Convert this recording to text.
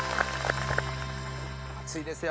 熱いですよ！